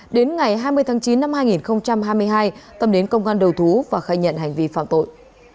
đến ngày hai mươi tháng chín năm hai nghìn hai mươi hai tâm đến công an đầu thú và khai nhận hành vi phạm tội